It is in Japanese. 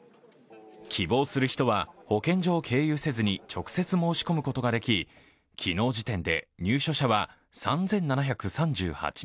希望する人は保健所を経由せずに直接申し込むことができ、昨日時点で入所者は３７３８人。